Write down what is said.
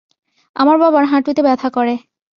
আমার বাবার হাঁটুতে ব্যথা করে।